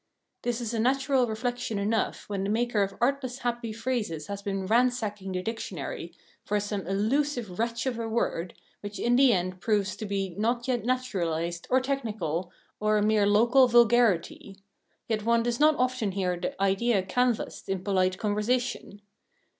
This is a natural reflection enough when the maker of artless happy phrases has been ransacking the dictionary for some elusive wretch of a word which in the end proves to be not yet naturalised, or technical, or a mere local vulgarity; yet one does not often hear the idea canvassed in polite conversation.